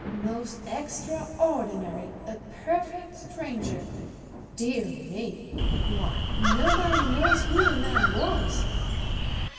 Most extraordinary! A perfect stranger! Dear me why, nobody knows who the man was!"